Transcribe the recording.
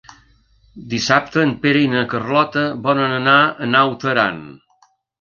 Dissabte en Pere i na Carlota volen anar a Naut Aran.